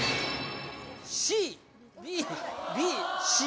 ＣＢＢＣ